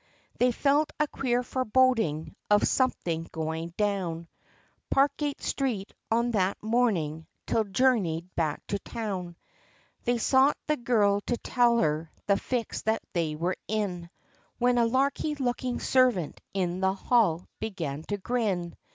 They felt a queer foreboding of something, going down Parkgate street, on that morning, till journeyed back to town; They sought the girl, to tell her the fix that they were in, When a larky looking servant in the hall, began to grin.